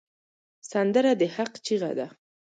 سندره د حق چیغه ده